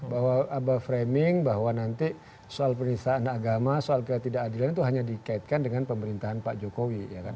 bahwa ada framing bahwa nanti soal penistaan agama soal ketidakadilan itu hanya dikaitkan dengan pemerintahan pak jokowi